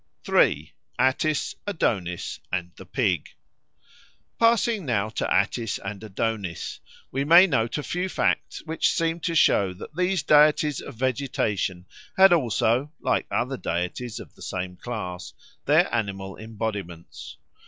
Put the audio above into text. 3. Attis, Adonis, and the Pig PASSING now to Attis and Adonis, we may note a few facts which seem to show that these deities of vegetation had also, like other deities of the same class, their animal embodiments.